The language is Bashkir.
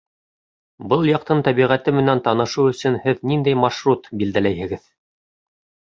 Был яҡтың тәбиғәте менән танышыу өсөн һеҙ ниндәй маршрут билдәләйһегеҙ?